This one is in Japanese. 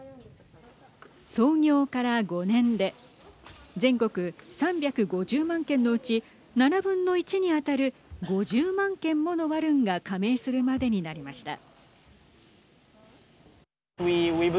創業から５年で全国３５０万軒のうち７分の１に当たる５０万軒ものワルンが加盟するまでになりました。